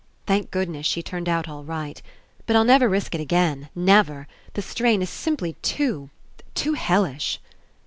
Thank goodness, she turned out all right. But I'll never risk It again. Never ! The strain Is simply too — too hellish."